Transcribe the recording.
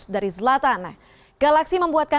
dari zlatan galaxy membuatkan